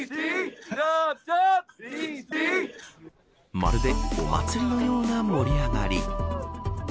まるでお祭りのような盛り上がり。